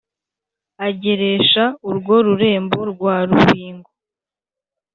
Ageresha urwo rurembo rwa rubingo,